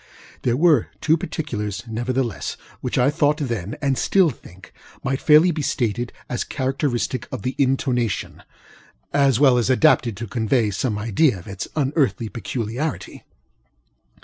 There were two particulars, nevertheless, which I thought then, and still think, might fairly be stated as characteristic of the intonationŌĆöas well adapted to convey some idea of its unearthly peculiarity.